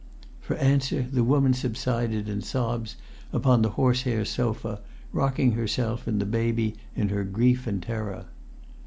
For answer, the woman subsided in sobs upon the horsehair sofa, rocking herself and the baby in her grief and terror.